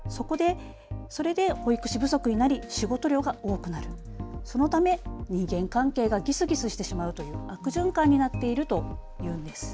それで保育士不足になり仕事量が多くなる、そのため人間関係がギスギスしてしまうという悪循環になっているというんです。